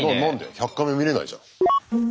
「１００カメ」見れないじゃん。